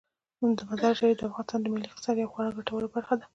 مزارشریف د افغانستان د ملي اقتصاد یوه خورا ګټوره برخه ده.